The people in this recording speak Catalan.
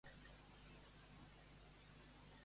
Què se li va atorgar a Hèracles?